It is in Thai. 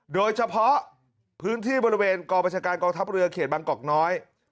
โดยเฉพาะพื้นที่บริเวณกองประชาการกองทัพเรือเขตบางกอกน้อย